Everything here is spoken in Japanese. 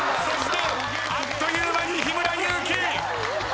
そしてあっという間に日村勇紀！